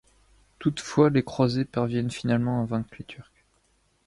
Toutefois, les Croisés parviennent finalement à vaincre les Turcs.